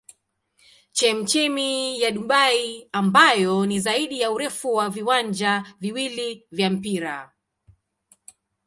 Chemchemi ya Dubai ambayo ni zaidi ya urefu wa viwanja viwili vya mpira.